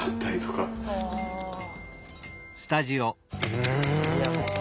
うん。